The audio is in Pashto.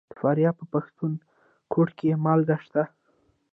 د فاریاب په پښتون کوټ کې مالګه شته.